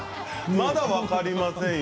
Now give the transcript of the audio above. まだ分かりませんよ